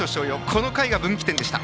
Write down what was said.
この回が分岐点でした。